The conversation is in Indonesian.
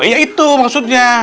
iya itu maksudnya